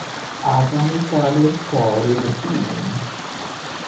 আগামীকালের পরের দিন।